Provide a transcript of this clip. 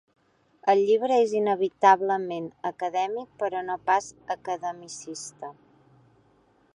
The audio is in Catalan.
El llibre és inevitablement acadèmic, però no pas academicista.